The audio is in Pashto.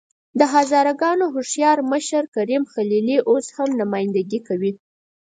د هزاره ګانو هوښیار مشر کریم خلیلي اوس هم نمايندګي کوي.